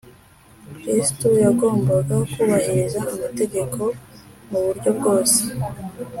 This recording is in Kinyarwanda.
, Kristo yagombaga kubahiriza amategeko mu buryo bwose